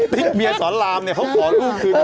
เมียสอนรามเนี่ยเขาขอลูกคืน